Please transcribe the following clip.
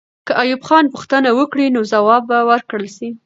که ایوب خان پوښتنه وکړي، نو ځواب به ورکړل سي.